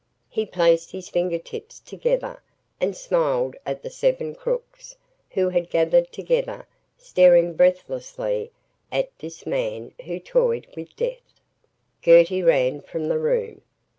He placed his finger tips together and smiled at the seven crooks, who had gathered together, staring breathlessly at this man who toyed with death. Gertie ran from the room.